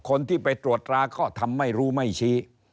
คนที่ไปตรวจตราก็ทำไม่รู้ไม่ชี้